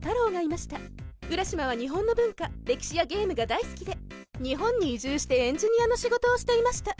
浦島は日本の文化歴史やゲームが大好きで日本に移住してエンジニアの仕事をしていました